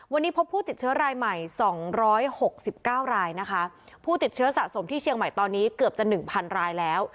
วันนี้พบผู้ติดเชื้อรายใหม่๒๖๙รายนะคะผู้ติดเชื้อสะสมที่เชียงใหม่ตอนนี้เกือบจะหนึ่งพันรายแล้ว